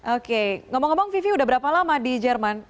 oke ngomong ngomong vivi udah berapa lama di jerman